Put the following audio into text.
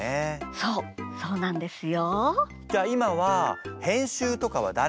そうそうなんですよ。